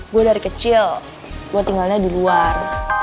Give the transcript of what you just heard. gue dari kecil gue tinggalnya di luar